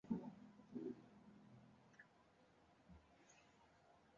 褐背柳是杨柳科柳属的植物。